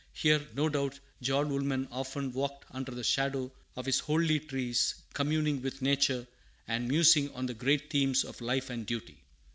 Here, no doubt, John Woolman often walked under the shadow of its holly trees, communing with nature and musing on the great themes of life and duty.